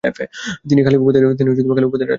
তিনি খালি উপাধির রাজা নন।